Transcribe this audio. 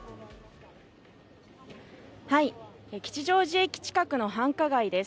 吉祥寺駅近くの繁華街です。